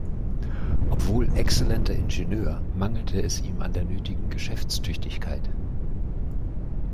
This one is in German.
Obwohl exzellenter Ingenieur, mangelte es ihm an der nötigen Geschäftstüchtigkeit.